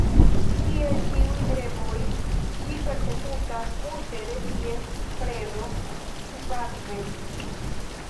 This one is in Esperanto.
Kiel ĉiuj greboj, ĝi persekutas multe de ties predo subakve.